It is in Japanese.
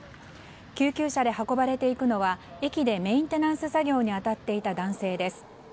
救急車で運ばれていくのは駅でメンテナンス作業に当たっていた男性です。